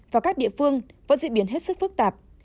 và các địa phương vẫn diễn biến hết sức phức tạp